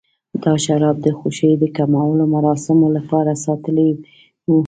دا شراب د خوښۍ د کومو مراسمو لپاره ساتلي و.